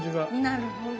なるほど。